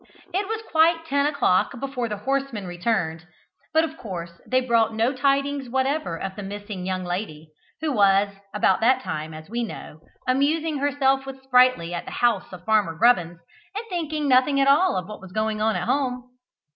It was quite ten o'clock before the horsemen returned, but of course they brought no tidings whatever of the missing young lady, who was, about that time, as we know, amusing herself with Sprightly at the house of Farmer Grubbins, and thinking nothing at all of what was going on at home.